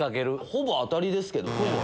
ほぼ当たりですけどね。